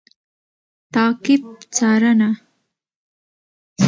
تعقیب √څارنه